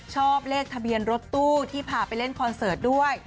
ชอบเลขทะเบียนรถตู้ที่พาไปเล่นคอนเสิร์ตด้วย